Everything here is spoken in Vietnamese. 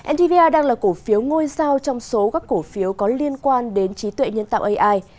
ndb đang là cổ phiếu ngôi sao trong số các cổ phiếu có liên quan đến trí tuệ nhân tạo ai